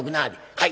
「はい。